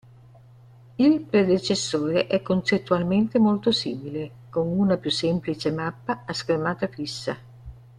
Il predecessore è concettualmente molto simile, con una più semplice mappa a schermata fissa.